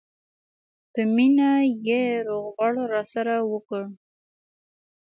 په مینه یې روغبړ راسره وکړ.